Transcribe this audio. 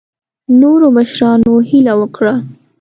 نورو مشرانو هیله وکړه.